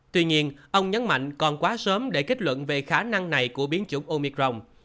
tuy nhiên ông nhấn mạnh còn quá sớm để kết luận về khả năng này của biến chủng omicron